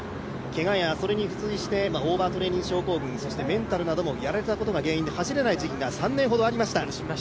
けがや、それに付随してオーバートレーニング症候群、メンタルなどもやられたことが原因で走れない時期が３年ほどありました。